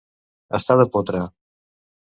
Estar de potra.